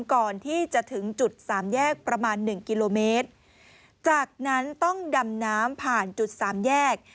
ก่อนที่จะถึงจุดสามแยกประมาณหนึ่งกิโลเมตรจากนั้นต้องดำน้ำผ่านจุดสามแยก